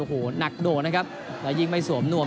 โอโหนักโดนะครับและยิ่งไปสวมนวม